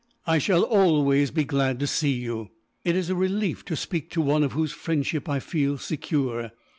"I shall always be glad to see you. It is a relief to speak to one of whose friendship I feel secure.